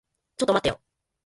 ちょっと待ってよ。